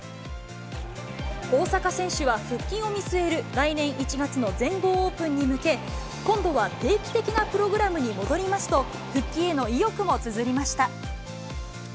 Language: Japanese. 大坂選手は復帰を見据える来年１月の全豪オープンに向け、今度は定期的なプログラムに戻りますと、復帰への意欲もつづりました。